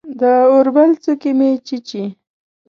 د اوربل څوکې مې چیچي